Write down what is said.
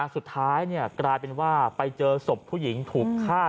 สุดท้ายกลายเป็นว่าไปเจอศพผู้หญิงถูกฆ่า